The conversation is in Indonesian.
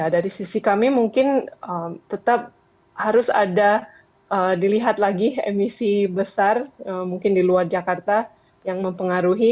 dari sisi kami mungkin tetap harus ada dilihat lagi emisi besar mungkin di luar jakarta yang mempengaruhi